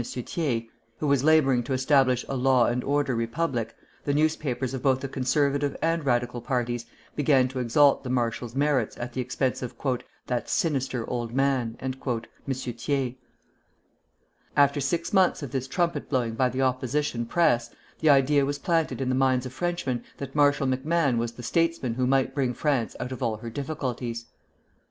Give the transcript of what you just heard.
Thiers, who was laboring to establish a law and order Republic, the newspapers of both the Conservative and Radical parties began to exalt the marshal's merits at the expense of "that sinister old man," M. Thiers. After six months of this trumpet blowing by the opposition Press, the idea was planted in the minds of Frenchmen that Marshal MacMahon was the statesman who might bring France out of all her difficulties.